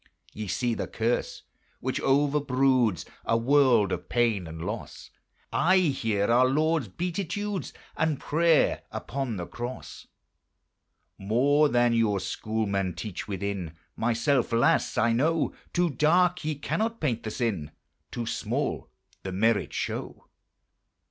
Ye see the curse which overbroods A world of pain and loss: I hear our Lord's beatitudes And prayer upon the cross. More than your schoolmen teach, within Myself, alas! I know: Too dark ye cannot paint the sin, Too small the merit show.